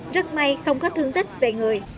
rất may không có thương tích về người